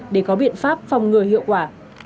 để có biện pháp phòng ngừa hiệu quả